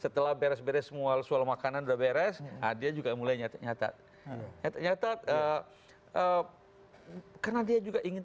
setelah beres beres semua soal makanan udah beres dia juga mulai nyatat nyatat karena dia juga ingin